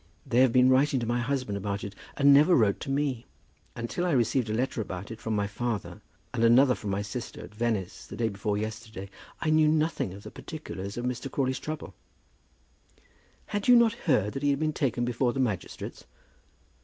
They have been writing to my husband about it, and never wrote to me; and till I received a letter about it from my father, and another from my sister, at Venice the day before yesterday, I knew nothing of the particulars of Mr. Crawley's trouble." "Had you not heard that he had been taken before the magistrates?"